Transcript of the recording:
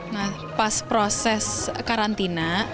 nah pas proses karantina